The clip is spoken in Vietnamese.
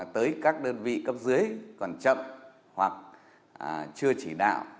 tới các đơn vị cấp dưới còn chậm hoặc chưa chỉ đạo